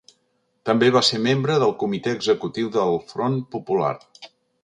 També va ser membre del comitè executiu del Front Popular.